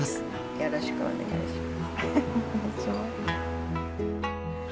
よろしくお願いします。